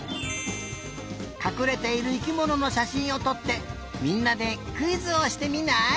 かくれている生きもののしゃしんをとってみんなでクイズをしてみない？